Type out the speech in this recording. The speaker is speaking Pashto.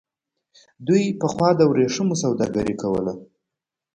دوی پخوا د ورېښمو سوداګري کوله.